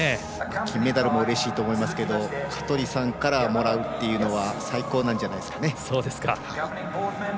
金メダルもうれしいと思いますけど香取さんからもらうのは最高なんじゃないですかね。